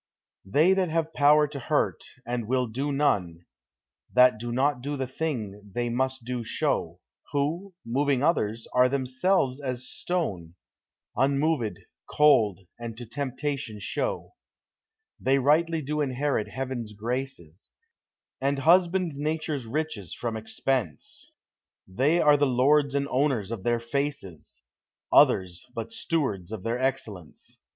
They that have power to hurt, and will do none, That do not do the thing they most do show, Who, moving others, are themselves as stone, Unmoved, cold, and to temptation slow, They rightly do inherit heaven's graces, And husband nature's riches from expense; They are the lords and owners of their faces, Others, but stewards of their excellence.